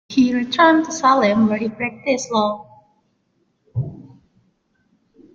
He returned to Salem where he practiced law.